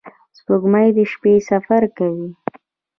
• سپوږمۍ د شپې سفر کوي.